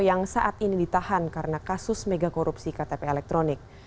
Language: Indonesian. yang saat ini ditahan karena kasus megakorupsi ktp elektronik